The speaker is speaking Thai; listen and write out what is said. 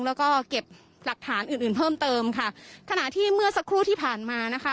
แล้วก็เก็บหลักฐานอื่นอื่นเพิ่มเติมค่ะขณะที่เมื่อสักครู่ที่ผ่านมานะคะ